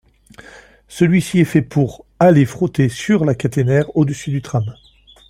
Celui-ci est fait pour aller frotter sur la caténaire au-dessus du tram.